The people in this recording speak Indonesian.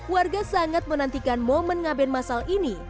warga sangat menantikan momen ngaben masal ini